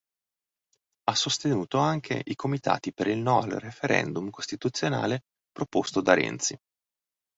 Ha sostenuto anche i comitati per il No al referendum Costituzionale proposto da Renzi.